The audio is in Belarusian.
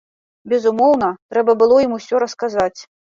Безумоўна, трэба было ім усё расказаць.